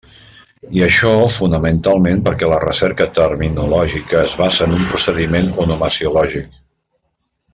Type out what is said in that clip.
I això fonamentalment perquè la recerca terminològica es basa en un procediment onomasiològic.